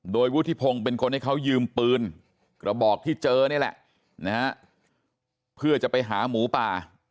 โดยวุฒิพงศ์เป็นคนให้เขายืมปืนกระบอกที่เจอนี่แหละนะฮะเพื่อจะไปหาหมูป่า